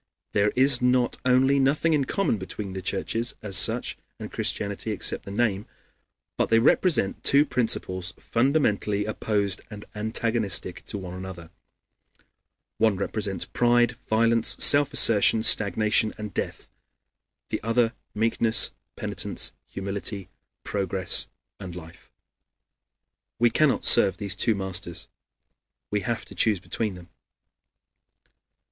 There is not only nothing in common between the churches as such and Christianity, except the name, but they represent two principles fundamentally opposed and antagonistic to one another. One represents pride, violence, self assertion, stagnation, and death; the other, meekness, penitence, humility, progress, and life. We cannot serve these two masters; we have to choose between them.